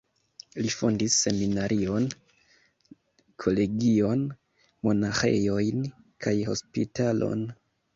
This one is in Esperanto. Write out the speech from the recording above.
Li fondis seminarion, kolegion, monaĥejojn kaj hospitalon.